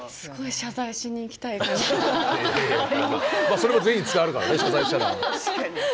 それも全員に伝わるからね謝罪したら。